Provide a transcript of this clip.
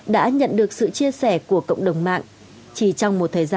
đã nhận được sự chia sẻ của cộng đồng mạng